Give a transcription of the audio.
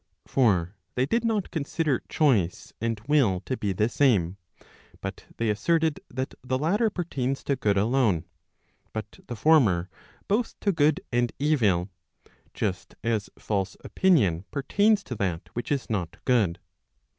For they did not consider choice and will to be the same ; but they asserted that the latter pertains to good alone, but the former both to good and evil; just as false opinion pertains to that which is not good.